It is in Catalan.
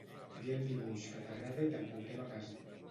Tria el dibuix que t'agrada i te'l portem a casa.